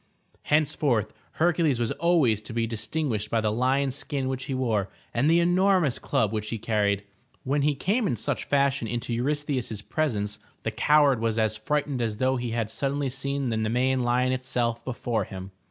Henceforth Hercules was always to be distinguished by the lion's skin which he wore and the enormous club which he carried. When he came in such fashion into Eurystheus' presence, the coward was as frightened as though he had suddenly seen the Nemean lion itself before him.